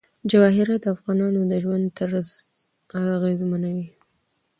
جواهرات د افغانانو د ژوند طرز اغېزمنوي.